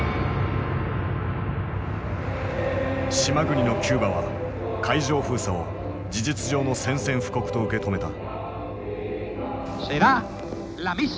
島国のキューバは海上封鎖を事実上の宣戦布告と受け止めた。